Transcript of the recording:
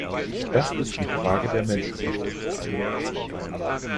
Das ist die Frage der Menschenrechte.